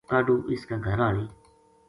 کاہڈو اس کا گھر ہالی